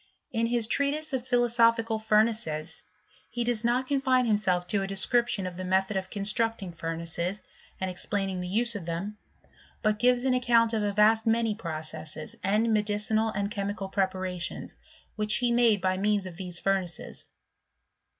In his treatise of philosophical furnaces he does not confine himself to a description of the method of constmcting furnaces, and explaining the use of them, but gives an account of a vast many processes, and medicinal and chemical preparations, which he made by means of these furnaces.